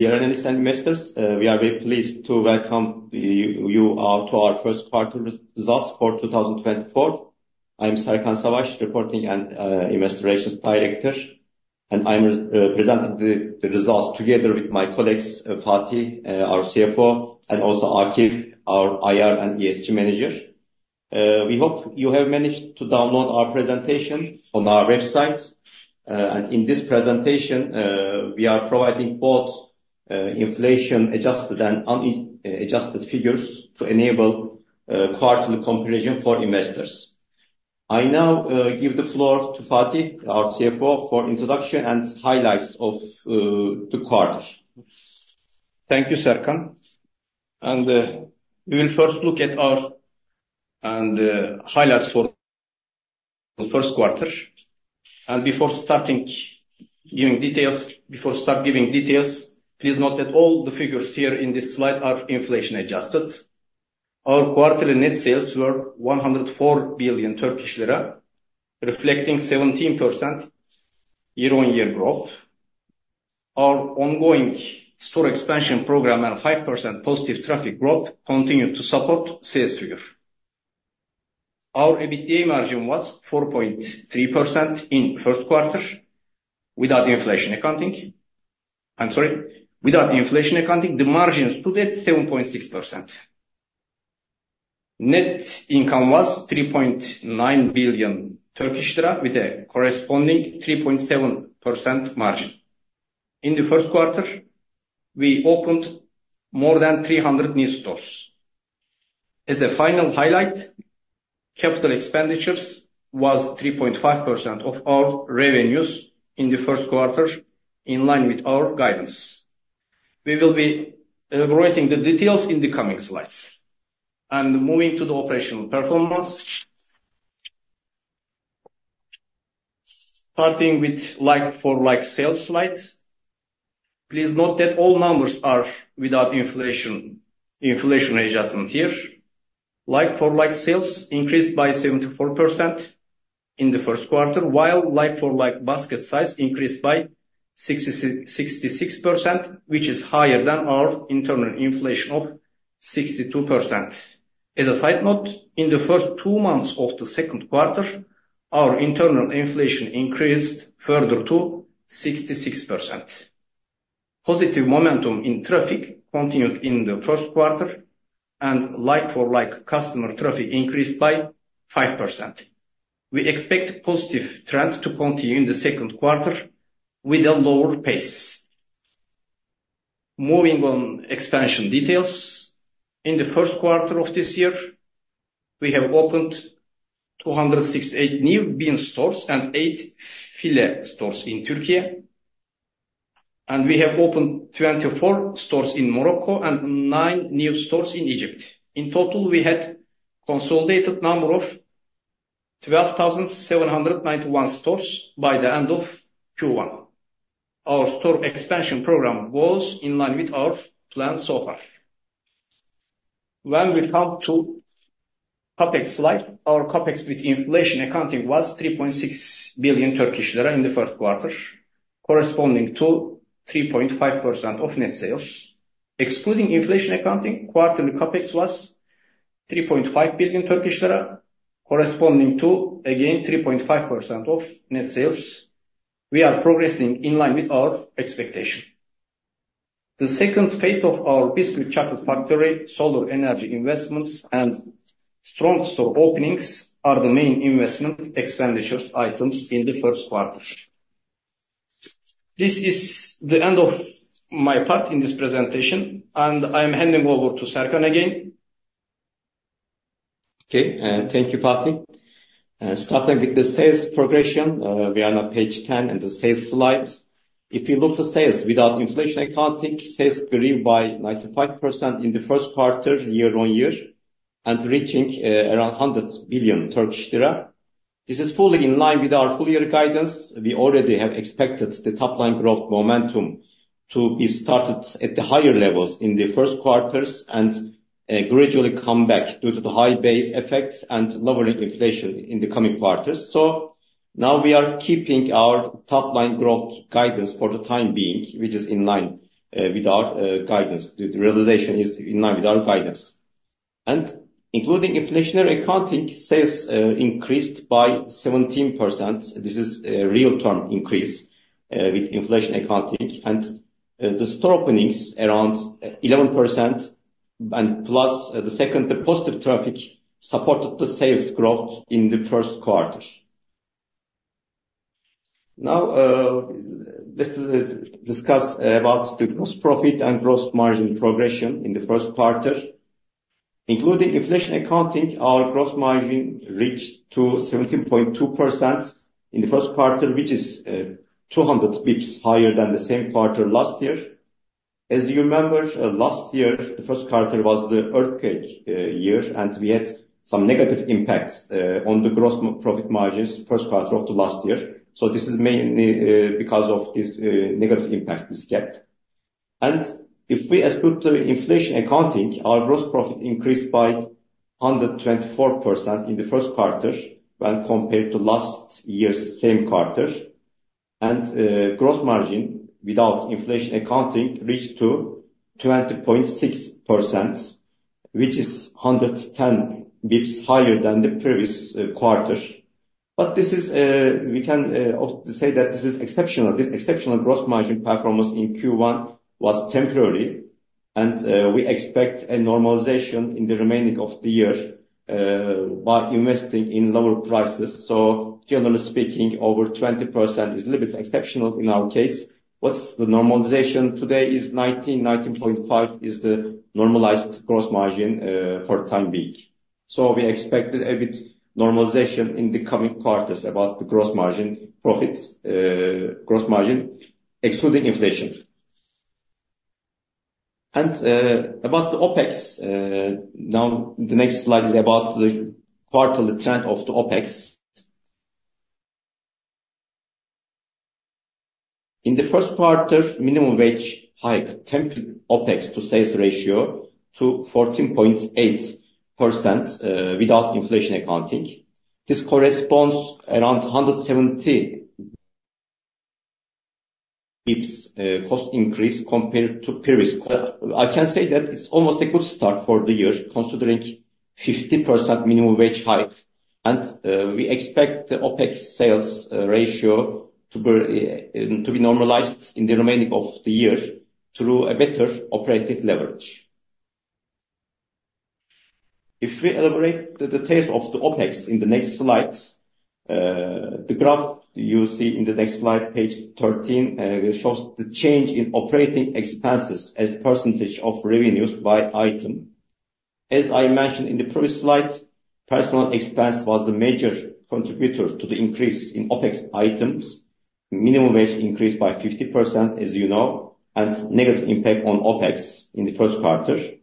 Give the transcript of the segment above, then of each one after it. Dear ladies and investors, we are very pleased to welcome you to our first quarter results for 2024. I'm Serkan Savaş, Reporting and Investor Relations Director, and I'm presenting the results together with my colleagues, Fatih, our CFO, and also Akif, our IR and ESG Manager. We hope you have managed to download our presentation on our website, and in this presentation, we are providing both inflation-adjusted and unadjusted figures to enable quarterly comparison for investors. I now give the floor to Fatih, our CFO, for introduction and highlights of the quarter. Thank you, Serkan. We will first look at our highlights for the first quarter. Before starting giving details, please note that all the figures here in this slide are inflation-adjusted. Our quarterly net sales were 104 billion Turkish lira, reflecting 17% year-on-year growth. Our ongoing store expansion program and 5% positive traffic growth continued to support sales figure. Our EBITDA margin was 4.3% in the first quarter without inflation accounting. I'm sorry, without inflation accounting, the margin stood at 7.6%. Net income was 3.9 billion Turkish lira, with a corresponding 3.7% margin. In the first quarter, we opened more than 300 new stores. As a final highlight, capital expenditures was 3.5% of our revenues in the first quarter, in line with our guidance. We will be elaborating the details in the coming slides. And moving to the operational performance, starting with like-for-like sales slides. Please note that all numbers are without inflation, inflation adjustment here. Like-for-like sales increased by 74% in the first quarter, while like-for-like basket size increased by 66%, which is higher than our internal inflation of 62%. As a side note, in the first two months of the second quarter, our internal inflation increased further to 66%. Positive momentum in traffic continued in the first quarter, and like-for-like customer traffic increased by 5%. We expect positive trend to continue in the second quarter with a lower pace. Moving on expansion details. In the first quarter of this year, we have opened 268 new BİM stores and eight FİLE stores in Turkey, and we have opened 24 stores in Morocco and nine new stores in Egypt. In total, we had consolidated number of 12,791 stores by the end of Q1. Our store expansion program was in line with our plan so far. When we come to CapEx slide, our CapEx with inflation accounting was 3.6 billion Turkish lira in the first quarter, corresponding to 3.5% of net sales. Excluding inflation accounting, quarterly CapEx was 3.5 billion Turkish lira, corresponding to, again, 3.5% of net sales. We are progressing in line with our expectation. The second phase of our biscuit chocolate factory, solar energy investments, and strong store openings are the main investment expenditures items in the first quarter. This is the end of my part in this presentation, and I'm handing over to Serkan again. Okay, and thank you, Fatih. Starting with the sales progression, we are on page 10 in the sales slide. If you look the sales without inflation accounting, sales grew by 95% in the first quarter, year-on-year, and reaching around 100 billion Turkish lira. This is fully in line with our full year guidance. We already have expected the top-line growth momentum to be started at the higher levels in the first quarters, and gradually come back due to the high base effects and lower inflation in the coming quarters. So now we are keeping our top-line growth guidance for the time being, which is in line with our guidance. The realization is in line with our guidance. And including inflationary accounting, sales increased by 17%. This is a real term increase, with inflation accounting, and, the store openings around 11%, and plus the second, the positive traffic, supported the sales growth in the first quarter. Now, let's, discuss about the gross profit and gross margin progression in the first quarter. Including inflation accounting, our gross margin reached to 17.2% in the first quarter, which is, 200 basis points higher than the same quarter last year. As you remember, last year, the first quarter was the earthquake year, and we had some negative impacts, on the gross profit margins first quarter of the last year. So this is mainly, because of this, negative impact is kept. And if we exclude the inflation accounting, our gross profit increased by-... 124% in the first quarter when compared to last year's same quarter. Gross margin without inflation accounting reached to 20.6%, which is 110 basis points higher than the previous quarter. But this is, we can also say that this is exceptional. This exceptional gross margin performance in Q1 was temporary, and we expect a normalization in the remaining of the year by investing in lower prices. So generally speaking, over 20% is a little bit exceptional in our case. What's the normalization? Today is 19, 19.5 is the normalized gross margin for time being. So we expect a bit normalization in the coming quarters about the gross margin profits, gross margin, excluding inflation. About the OpEx, now the next slide is about the quarterly trend of the OpEx. In the first quarter, minimum wage hike tempered OpEx to sales ratio to 14.8%, without inflation accounting. This corresponds around 170 basis points cost increase compared to previous quarter. I can say that it's almost a good start for the year, considering 50% minimum wage hike. And, we expect the OpEx sales ratio to be normalized in the remaining of the year through a better operating leverage. If we elaborate the details of the OpEx in the next slides, the graph you'll see in the next slide, page 13, shows the change in operating expenses as percentage of revenues by item. As I mentioned in the previous slide, personnel expense was the major contributor to the increase in OpEx items. Minimum wage increased by 50%, as you know, and negative impact on OpEx in the first quarter.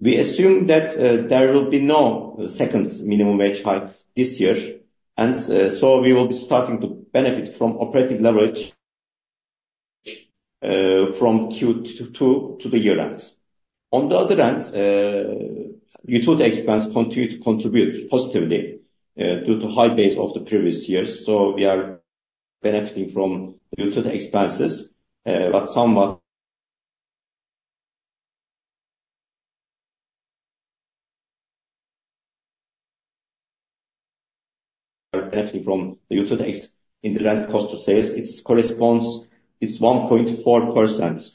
We assume that there will be no second minimum wage hike this year, and so we will be starting to benefit from operating leverage from Q2 to the year end. On the other hand, utility expense continue to contribute positively due to high base of the previous years. So we are benefiting from utility expenses, but somewhat benefiting from the utility expenses included in cost of sales. It corresponds, it's 1.4%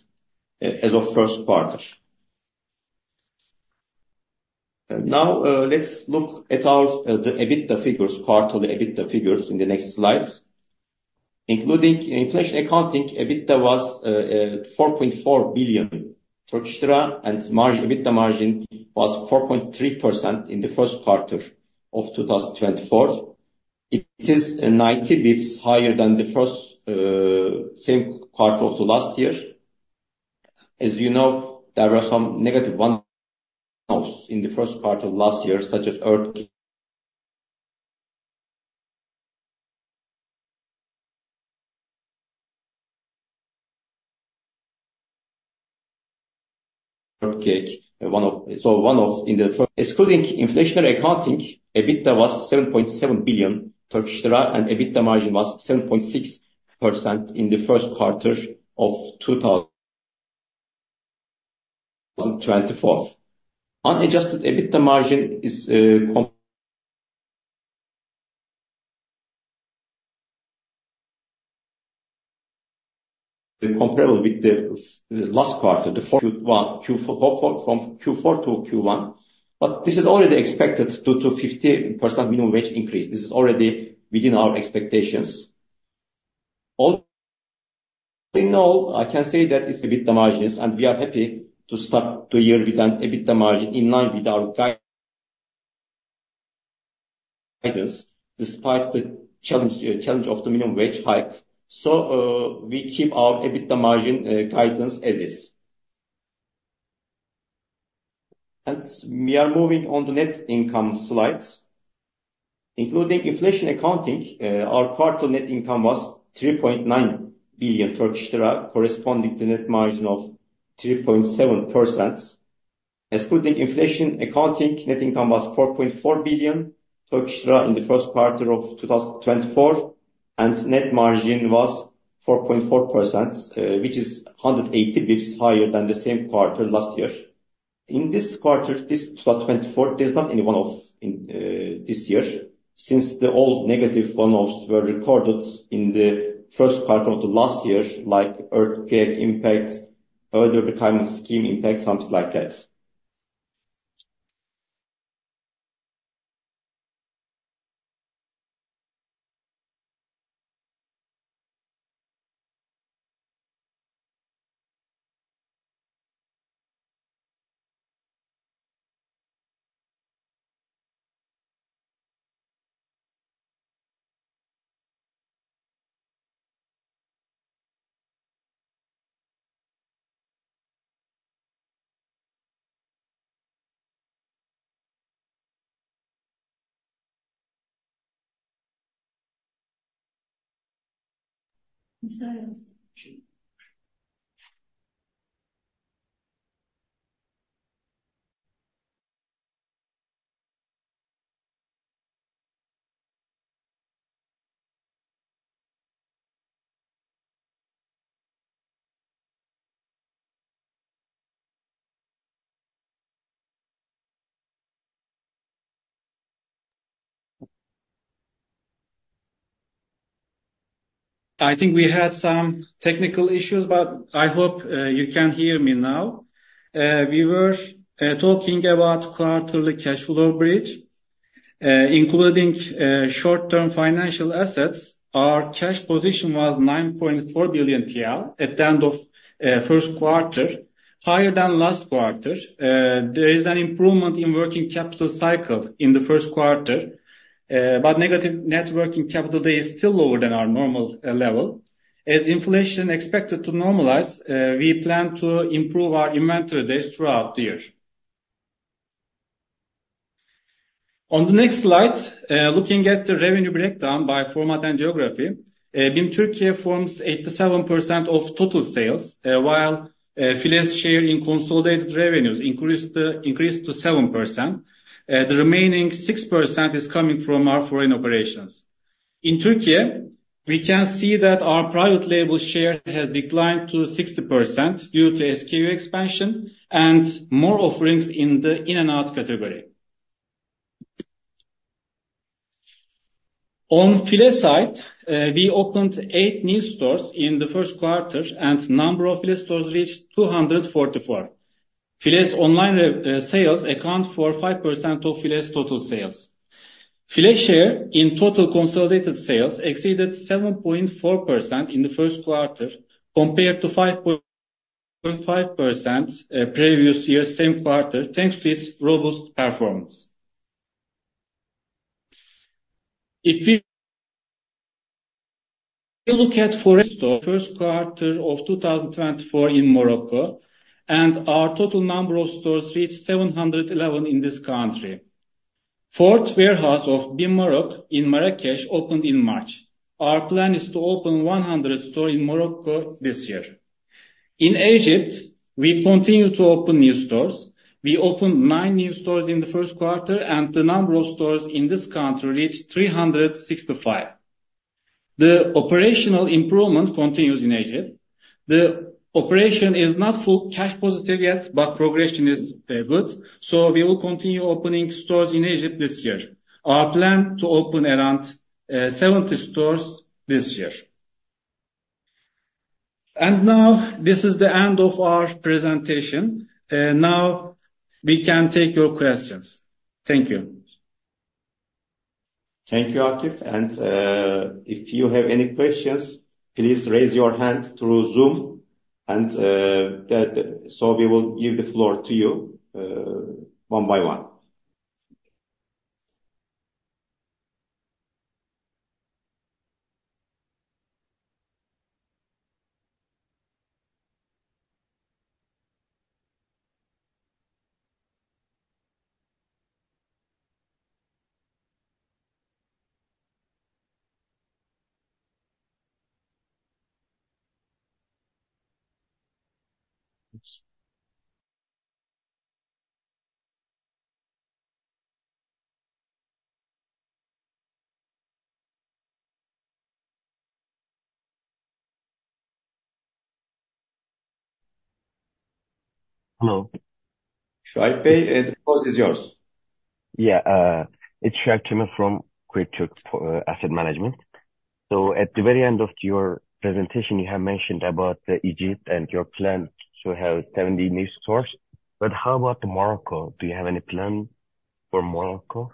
as of first quarter. Now, let's look at our EBITDA figures, quarterly EBITDA figures in the next slide. Including inflation accounting, EBITDA was 4.4 billion Turkish lira, and margin, EBITDA margin was 4.3% in the first quarter of 2024. It is 90 basis points higher than the first, same quarter of the last year. As you know, there were some negative one-offs in the first quarter of last year, such as earthquake. Excluding inflationary accounting, EBITDA was 7.7 billion Turkish lira, and EBITDA margin was 7.6% in the first quarter of 2024. Unadjusted EBITDA margin is comparable with the last quarter, Q1, Q4, from Q4 to Q1, but this is already expected due to 50% minimum wage increase. This is already within our expectations. All in all, I can say that it's EBITDA margins, and we are happy to start the year with an EBITDA margin in line with our guidance, despite the challenge of the minimum wage hike. So, we keep our EBITDA margin guidance as is. And we are moving on the net income slide. Including inflation accounting, our quarter net income was 3.9 billion Turkish lira, corresponding to net margin of 3.7%. Excluding inflation accounting, net income was 4.4 billion in the first quarter of 2024, and net margin was 4.4%, which is 180 basis points higher than the same quarter last year. In this quarter, this 2024, there's not any one-off in, this year, since the old negative one-offs were recorded in the first quarter of the last year, like earthquake impact, early retirement scheme impact, something like that. I think we had some technical issues, but I hope you can hear me now. We were talking about quarterly cash flow bridge, including short-term financial assets. Our cash position was 9.4 billion TL at the end of first quarter, higher than last quarter. There is an improvement in working capital cycle in the first quarter, but negative net working capital day is still lower than our normal level. As inflation expected to normalize, we plan to improve our inventory days throughout the year. On the next slide, looking at the revenue breakdown by format and geography, BİM Turkey forms 87% of total sales, while FİLE's share in consolidated revenues increased to 7%. The remaining 6% is coming from our foreign operations. In Turkey, we can see that our private label share has declined to 60% due to SKU expansion and more offerings in the in-and-out category. On FİLE side, we opened 8 new stores in the first quarter, and number of FİLE stores reached 244. FİLE online sales account for 5% of FİLE's total sales. FİLE share in total consolidated sales exceeded 7.4% in the first quarter, compared to 5.5%, previous year, same quarter, thanks to its robust performance. If we look at first quarter of 2024 in Morocco, and our total number of stores reached 711 in this country. Fourth warehouse of BİM Maroc in Marrakech opened in March. Our plan is to open 100 stores in Morocco this year. In Egypt, we continue to open new stores. We opened nine new stores in the first quarter, and the number of stores in this country reached 365. The operational improvement continues in Egypt. The operation is not full cash positive yet, but progression is good, so we will continue opening stores in Egypt this year. Our plan to open around 70 stores this year. Now, this is the end of our presentation. Now we can take your questions. Thank you. Thank you, Akif, and if you have any questions, please raise your hand through Zoom, and so we will give the floor to you one by one. Hello. Suayip Teymur? The floor is yours. Yeah, it's Suayip Teymur from Kuveyt Türk Asset Management. So at the very end of your presentation, you have mentioned about the Egypt and your plan to have 70 new stores. But how about Morocco? Do you have any plan for Morocco?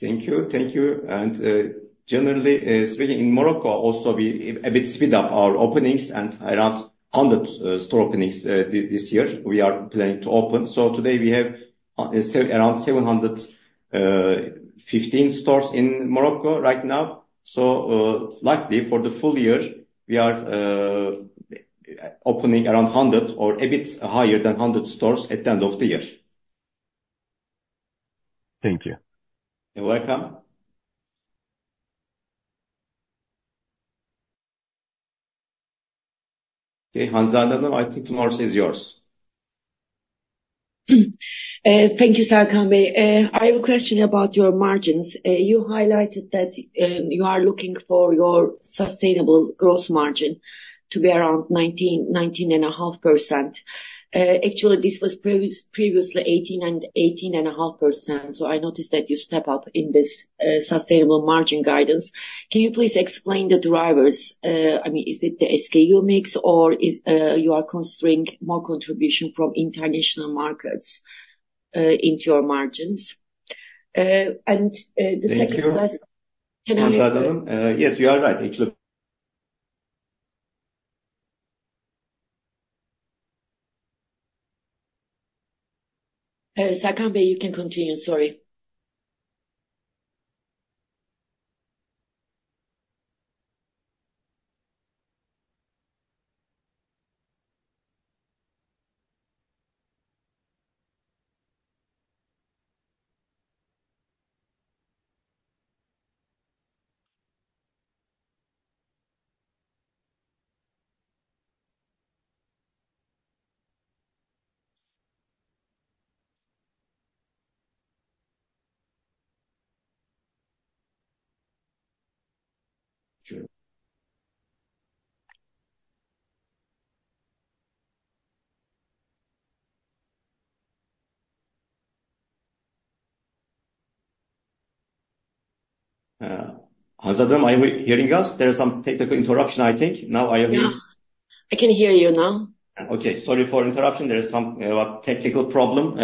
Thank you. Thank you. And, generally, speaking in Morocco, also, we a bit speed up our openings and around 100 store openings this year we are planning to open. So today we have around 715 stores in Morocco right now. So, likely for the full year, we are opening around 100 or a bit higher than 100 stores at the end of the year. Thank you. You're welcome. Okay, Hanzade, I think the floor is yours. Thank you, Serkan Savaş. I have a question about your margins. You highlighted that you are looking for your sustainable gross margin to be around 19%-19.5%. Actually, this was previously 18%-18.5%, so I noticed that you step up in this sustainable margin guidance. Can you please explain the drivers? I mean, is it the SKU mix or you are considering more contribution from international markets into your margins? And the second question- Thank you. Can I-... Hanzade, yes, you are right. Actually- Serkan Savaş, you can continue. Sorry. Hanzade, are you hearing us? There's some technical interruption, I think. Now I only- Yeah. I can hear you now. Okay, sorry for interruption. There is some technical problem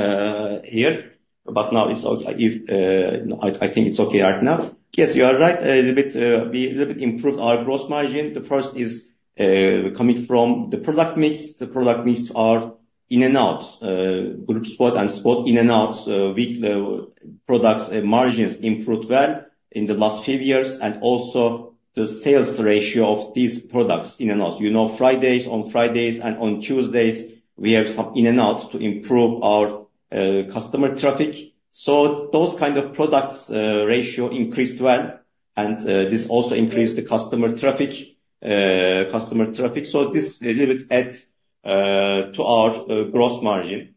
here, but now it's I think it's okay right now. Yes, you are right. A little bit, we a little bit improved our gross margin. The first is coming from the product mix. The product mix are in and out, group spot and spot, in and out. Week low products and margins improved well in the last few years, and also the sales ratio of these products, in and out. You know, Fridays, on Fridays and on Tuesdays, we have some in and out to improve our customer traffic. So those kind of products ratio increased well, and this also increased the customer traffic, customer traffic. So this a little bit add to our gross margin,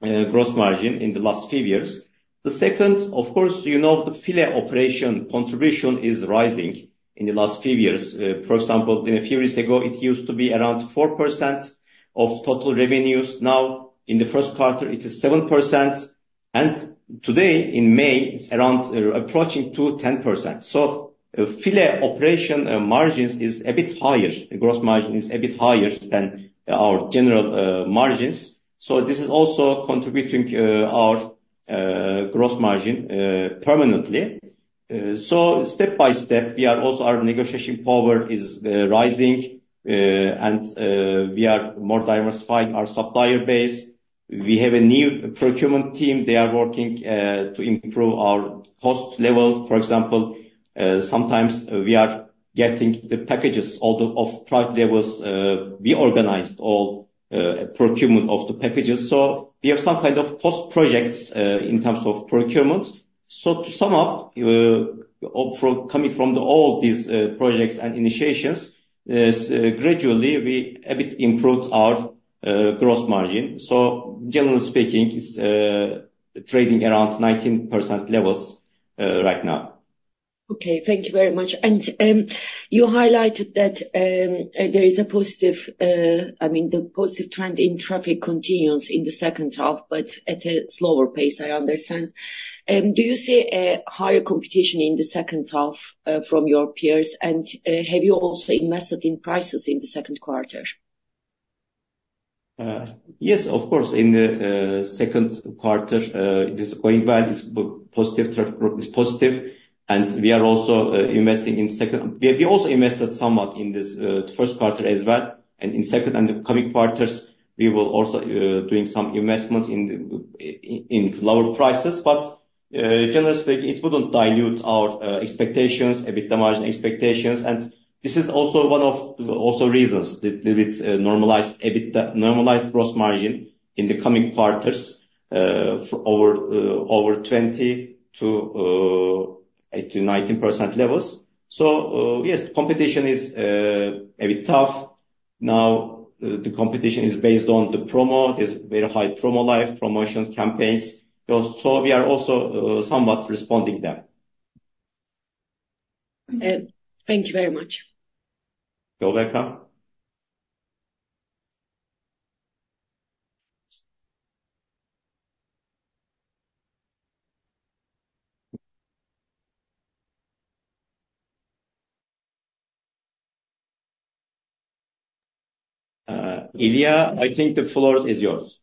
gross margin in the last few years. The second, of course, you know, the FİLE operation contribution is rising in the last few years. For example, a few years ago, it used to be around 4% of total revenues. Now, in the first quarter it is 7%, and today in May, it's around, approaching to 10%. So FİLE operation, margins is a bit higher. The gross margin is a bit higher than our general, margins. So this is also contributing, our, gross margin, permanently. So step by step, we are also our negotiation power is, rising, and, we are more diversifying our supplier base. We have a new procurement team. They are working, to improve our cost level. For example, sometimes we are getting the packages, all the of product levels, we organized all, procurement of the packages. So we have some kind of post projects in terms of procurement. So to sum up, all coming from all these projects and initiations, gradually we a bit improved our gross margin. So generally speaking, it's trading around 19% levels right now. Okay, thank you very much. You highlighted that, I mean, the positive trend in traffic continues in the second half, but at a slower pace, I understand. Do you see a higher competition in the second half from your peers? And, have you also invested in prices in the second quarter? Yes, of course. In the second quarter, it is going well, is positive, turn is positive, and we are also investing in second. We also invested somewhat in this first quarter as well, and in second and the coming quarters, we will also doing some investments in lower prices. But generally speaking, it wouldn't dilute our expectations, EBITDA margin expectations. And this is also one of the reasons that it's normalized EBITDA, normalized gross margin in the coming quarters for over 20% to 18%-19% levels. So yes, competition is a bit tough. Now, the competition is based on the promo. There's very high promo-like promotions, campaigns, so we are also somewhat responding them. Thank you very much. You're welcome. Ilya, I think the floor is yours.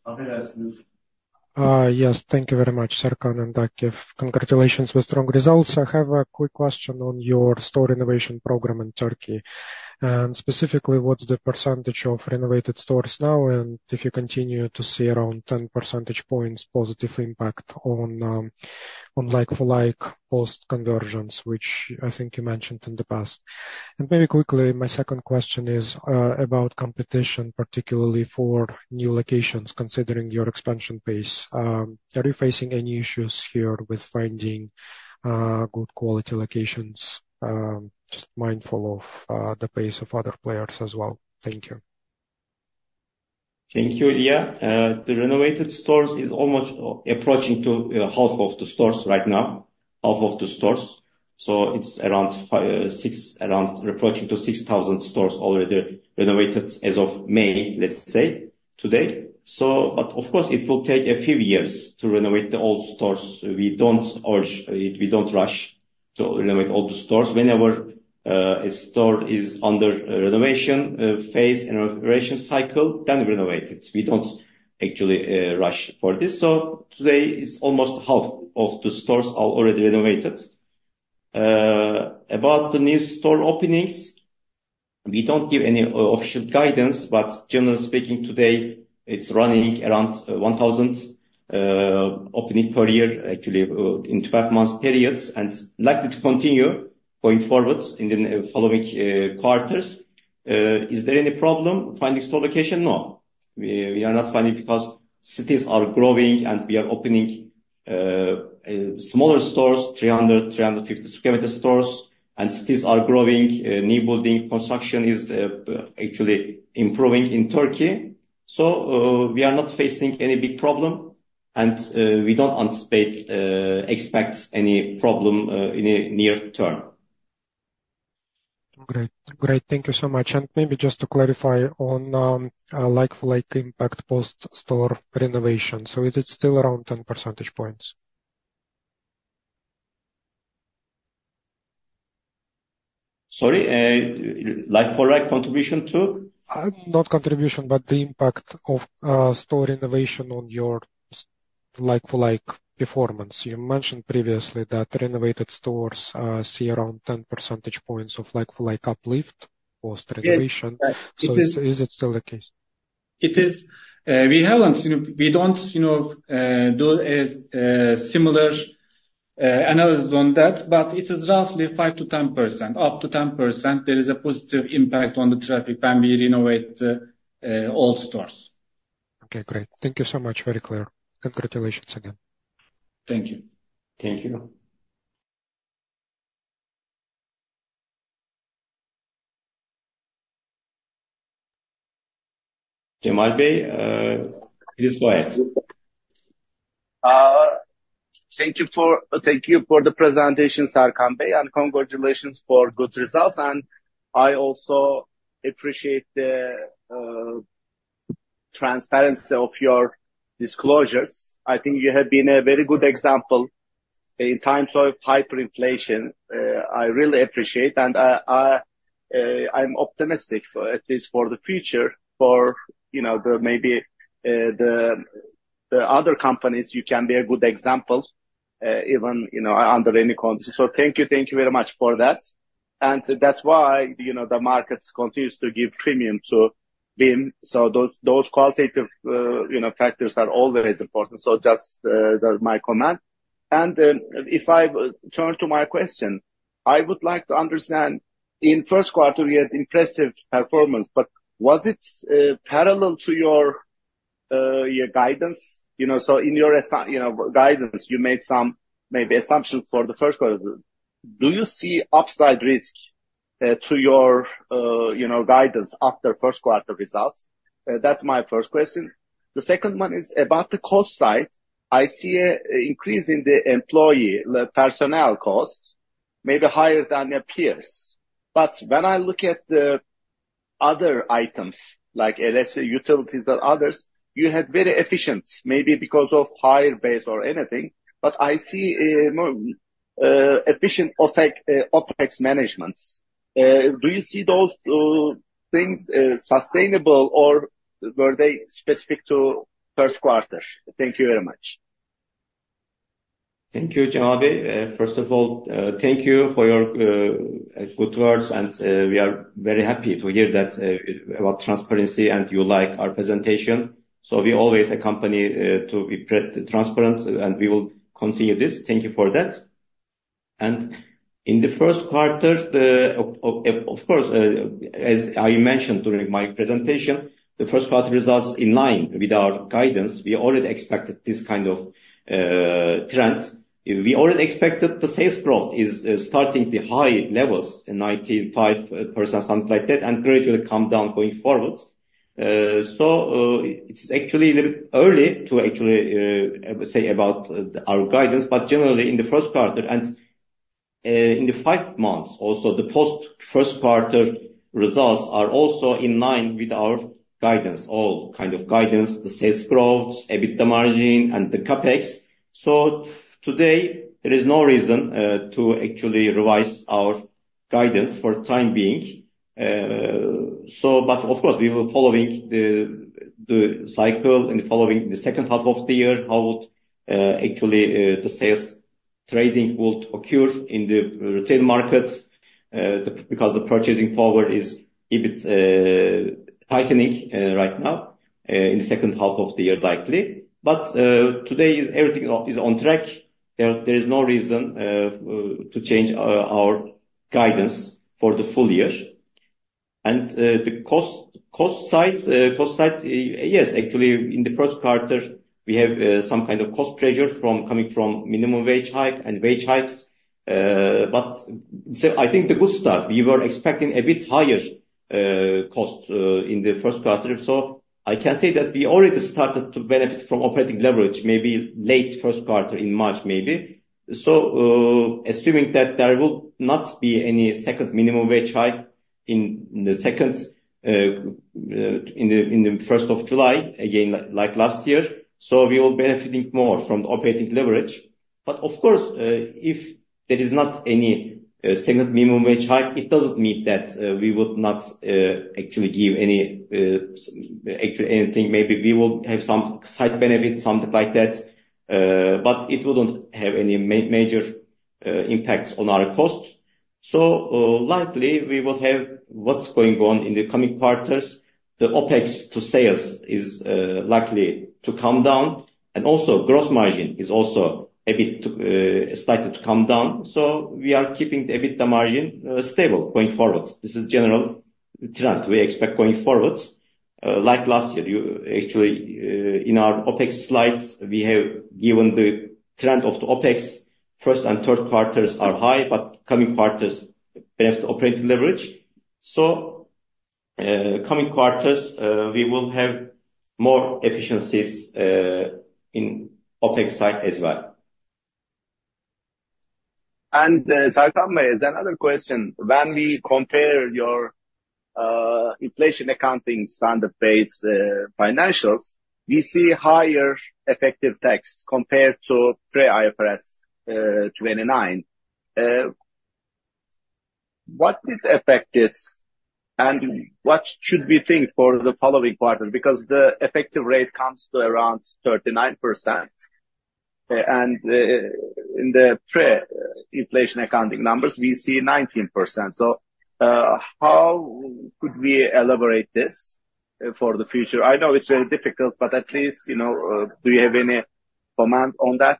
Yes. Thank you very much, Serkan and Akif. Congratulations with strong results. I have a quick question on your store renovation program in Turkey, and specifically, what's the percentage of renovated stores now, and if you continue to see around 10 percentage points positive impact on, on like-for-like post conversions, which I think you mentioned in the past? And very quickly, my second question is, about competition, particularly for new locations, considering your expansion pace. Are you facing any issues here with finding, good quality locations? Just mindful of, the pace of other players as well. Thank you. Thank you, Ilya. The renovated stores is almost approaching to half of the stores right now, half of the stores. So it's around 5000-6000, around approaching to 6,000 stores already renovated as of May, let's say, today. So, but of course, it will take a few years to renovate the old stores. We don't urge, we don't rush to renovate all the stores. Whenever a store is under renovation phase and renovation cycle, then renovate it. We don't actually rush for this. So today, it's almost half of the stores are already renovated. About the new store openings, we don't give any official guidance, but generally speaking, today, it's running around 1,000 opening per year, actually, in twelve months periods, and likely to continue going forward in the following quarters. Is there any problem finding store location? No. We, we are not finding because cities are growing, and we are opening smaller stores, 300 sq m-350 sq m stores, and cities are growing. New building construction is actually improving in Turkey. So, we are not facing any big problem, and we don't anticipate expect any problem in the near term. Great. Great, thank you so much. Maybe just to clarify on like-for-like impact post store renovation. Is it still around 10 percentage points? Sorry, like-for-like contribution too? Not contribution, but the impact of store renovation on your like-for-like performance. You mentioned previously that renovated stores see around 10 percentage points of like-for-like uplift post renovation. Yes, right. Is it, is it still the case? It is. We haven't, you know, we don't, you know, do a similar analysis on that, but it is roughly 5%-10%. Up to 10%, there is a positive impact on the traffic when we renovate old stores. Okay, great. Thank you so much. Very clear. Congratulations again. Thank you. Thank you. Cemal Bey, please go ahead. Thank you for the presentation, Serkan Bey, and congratulations for good results. I also appreciate the transparency of your disclosures. I think you have been a very good example in times of hyperinflation. I really appreciate, and I, I'm optimistic for, at least for the future, for, you know, the maybe, the, the other companies, you can be a good example, even, you know, under any conditions. So thank you, thank you very much for that. That's why, you know, the market continues to give premium to BİM. So those, those qualitative, you know, factors are always important. So just, the, my comment. If I turn to my question, I would like to understand, in first quarter, we had impressive performance, but was it, parallel to your, your guidance? You know, so in your you know, guidance, you made some maybe assumptions for the first quarter. Do you see upside risk to your, you know, guidance after first quarter results? That's my first question. The second one is about the cost side. I see a increase in the employee, the personnel cost, maybe higher than your peers. But when I look at the other items, like, let's say, utilities or others, you have very efficient, maybe because of higher base or anything, but I see a more efficient OpEx management. Do you see those things sustainable, or were they specific to first quarter? Thank you very much. Thank you, Cemal Bey. First of all, thank you for your good words, and we are very happy to hear that about transparency, and you like our presentation. So we always accompany to be transparent, and we will continue this. Thank you for that. And in the first quarter, of course, as I mentioned during my presentation, the first quarter results in line with our guidance. We already expected this kind of trend. We already expected the sales growth is starting the high levels, in 95%, something like that, and gradually come down going forward. So, it is actually a little early to actually say about our guidance, but generally in the first quarter and in the five months, also, the post first quarter results are also in line with our guidance, all kind of guidance, the sales growth, EBITDA margin, and the CapEx. So today, there is no reason to actually revise our guidance for time being. So but of course, we were following the cycle and following the second half of the year, how would actually the sales trading would occur in the retail market, because the purchasing power is a bit tightening right now in the second half of the year, likely. But today, everything is on track. There is no reason to change our guidance for the full year. The cost side, yes, actually, in the first quarter, we have some kind of cost pressure coming from minimum wage hike and wage hikes. But so I think the good stuff, we were expecting a bit higher cost in the first quarter. So I can say that we already started to benefit from operating leverage, maybe late first quarter in March, maybe. So, assuming that there will not be any second minimum wage hike in the second, in the first of July, again, like last year, so we will benefiting more from the operating leverage. But of course, if there is not any second minimum wage hike, it doesn't mean that we would not actually give any actually anything. Maybe we will have some side benefits, something like that, but it wouldn't have any major impacts on our costs. So, likely we will have what's going on in the coming quarters. The OpEx to sales is likely to come down, and also gross margin is also a bit started to come down. So we are keeping the EBITDA margin stable going forward. This is general trend we expect going forward. Like last year, you actually in our OpEx slides, we have given the trend of the OpEx. First and third quarters are high, but coming quarters benefit operating leverage. So, coming quarters, we will have more efficiencies in OpEx side as well. Serkan Savaş, there's another question. When we compare your inflation accounting standard-based financials, we see higher effective tax compared to pre-IFRS 29. What did affect this? And what should we think for the following quarter? Because the effective rate comes to around 39%, and in the pre-inflation accounting numbers, we see 19%. So, how could we elaborate this for the future? I know it's very difficult, but at least, you know, do you have any comment on that?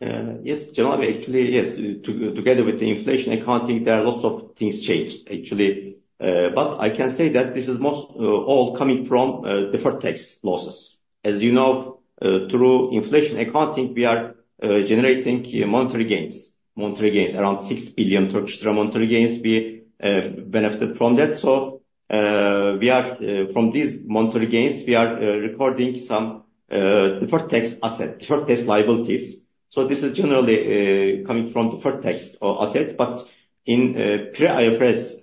Yes, Cemal Bey, actually, yes, together with the inflation accounting, there are lots of things changed, actually. But I can say that this is most all coming from deferred tax losses. As you know, through inflation accounting, we are generating monetary gains, monetary gains, around 6 billion Turkish lira monetary gains. We benefited from that. So, we are... From these monetary gains, we are recording some deferred tax asset, deferred tax liabilities. So this is generally coming from deferred tax or asset, but in pre-IAS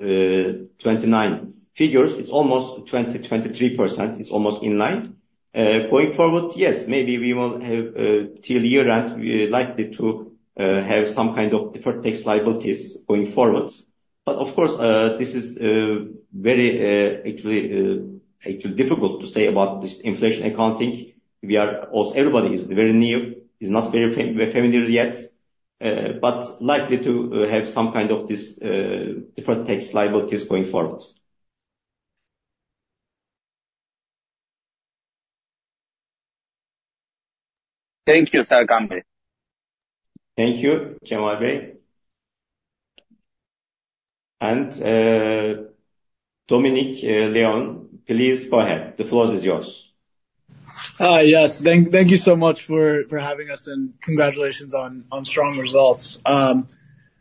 29 figures, it's almost 20%-23%, it's almost in line. Going forward, yes, maybe we will have, till year end, we are likely to have some kind of deferred tax liabilities going forward. But of course, this is very actually actually difficult to say about this inflation accounting. We are all, everybody is very new, is not very familiar yet, but likely to have some kind of this deferred tax liabilities going forward. Thank you, Serkan Savaş. Thank you, Cemal Bey. And, Dominic Leon, please go ahead. The floor is yours. Yes. Thank you so much for having us, and congratulations on strong results.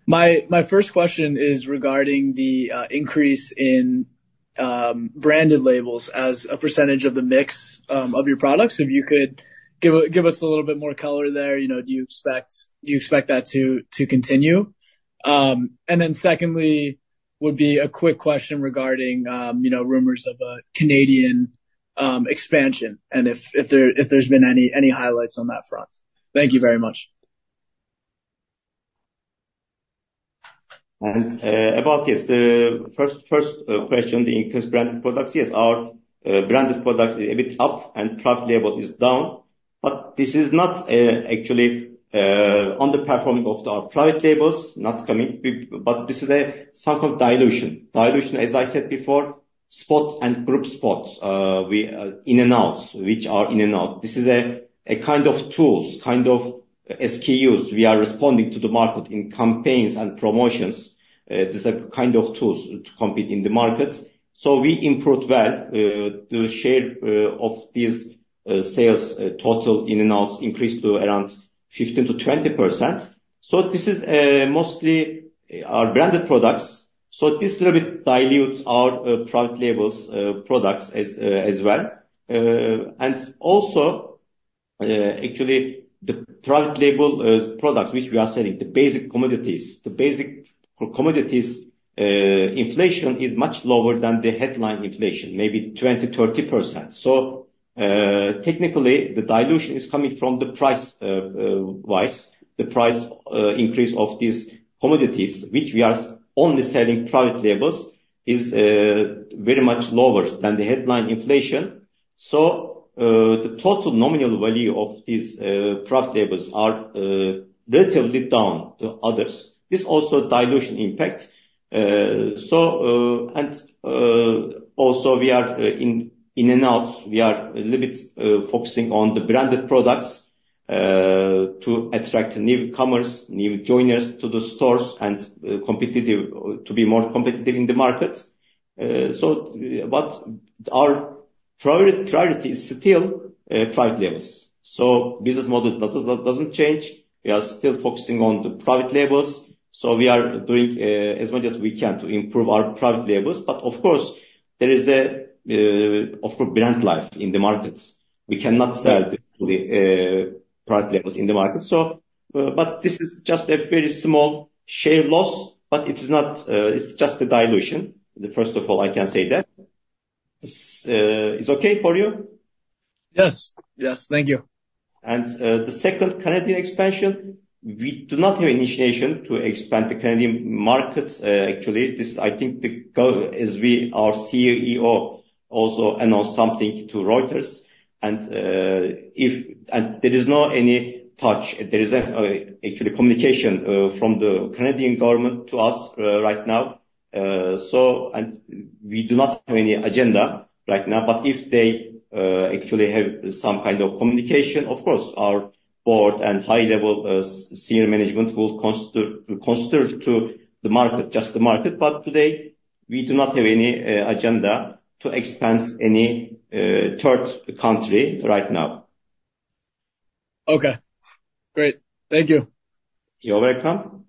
My first question is regarding the increase in branded labels as a percentage of the mix of your products. If you could give us a little bit more color there, you know, do you expect that to continue? And then secondly, would be a quick question regarding, you know, rumors of a Canadian expansion, and if there's been any highlights on that front. Thank you very much. About, yes, the first question, the increased branded products. Yes, our branded products is a bit up and private label is down, but this is not, actually, on the performing of our private labels, not coming. But this is a some of dilution. Dilution, as I said before, Spot and group Spots, we, In-and-Outs, which are In-and-Out. This is a kind of tools, kind of SKUs. We are responding to the market in campaigns and promotions. These are kind of tools to compete in the market. So we improved well, the share of these sales. Total In-and-Outs increased to around 15%-20%. So this is, mostly our branded products. So this little bit dilutes our private labels products as well. And also, actually, the Private Label products, which we are selling, the basic commodities, the basic commodities, inflation is much lower than the headline inflation, maybe 20%, 30%. So, technically, the dilution is coming from the price-wise, the price increase of these commodities, which we are only selling Private Labels, is very much lower than the headline inflation. So, the total nominal value of these Private Labels are relatively down to others. This also dilution impact. So, and also we are in In-and-Out, we are a little bit focusing on the branded products to attract newcomers, new joiners to the stores and competitive to be more competitive in the market. So, but our priority, priority is still Private Labels. So business model doesn't change. We are still focusing on the private labels, so we are doing as much as we can to improve our private labels. But of course, there is brand life in the markets. We cannot sell the private labels in the market. So, but this is just a very small share loss, but it is not... It's just a dilution. First of all, I can say that. It's okay for you? Yes. Yes, thank you. The second Canadian expansion, we do not have intention to expand the Canadian market. Actually, this, I think, the rumor, as we, our CEO also announced something to Reuters, and, if... There is not any touch, there is actually communication from the Canadian government to us right now. So, and we do not have any agenda right now, but if they actually have some kind of communication, of course, our board and high-level senior management will consider to the market, just the market, but today, we do not have any agenda to expand any third country right now.... Okay, great. Thank you. You're welcome.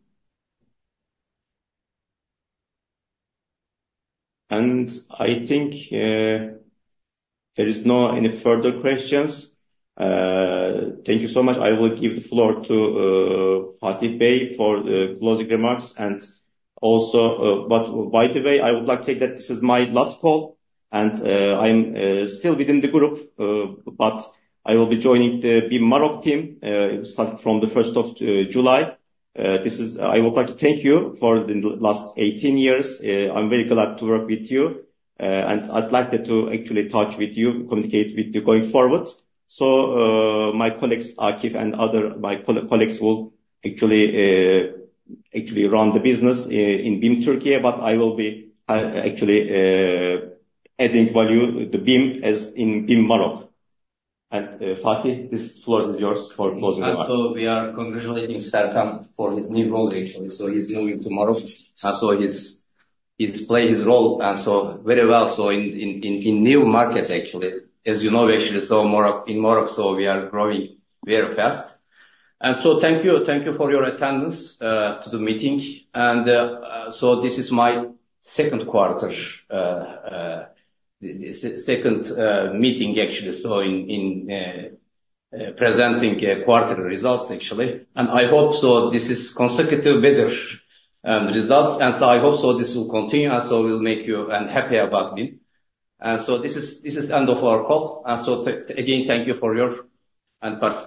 And I think, there is no any further questions. Thank you so much. I will give the floor to, Fatih Meriç for the closing remarks, and also, but by the way, I would like to say that this is my last call, and, I'm, still within the group, but I will be joining the BİM Maroc team, starting from the first of July. This is. I would like to thank you for the last 18 years. I'm very glad to work with you, and I'd like to actually talk with you, communicate with you going forward. So, my colleagues, Akif and other my colleagues, will actually actually run the business, in BİM Turkey, but I will be, actually, adding value to BİM as in BİM Maroc. And, Fatih, this floor is yours for closing remarks. We are congratulating Serkan for his new role, actually. So he's leaving tomorrow, and so he's played his role, and so very well, so in new markets, actually. As you know, actually, so Maroc, in Maroc, so we are growing very fast. And so thank you, thank you for your attendance to the meeting. And so this is my second quarter second meeting, actually, so in presenting quarterly results, actually. And I hope so this is consecutive better results, and so I hope so this will continue, and so we'll make you happy about BIM. And so this is end of our call. And so again, thank you for your attention.